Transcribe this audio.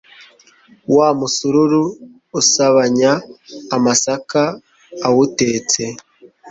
wa musururu usabanyaamasaka awutetse